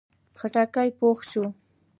خټکی پوخ شو.